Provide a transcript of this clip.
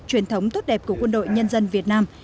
truyền thống tốt đẹp của quân đội nhân dân việt nam